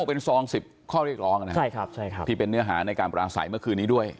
เป็นซอง๑๐ข้อเรียกร้องนะครับที่เป็นเนื้อหาในการปราศัยเมื่อคืนนี้ด้วย